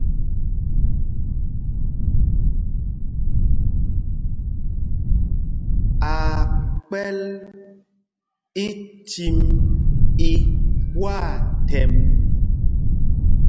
Aa kpɛ̌l ícîm í ɓwâthɛmb.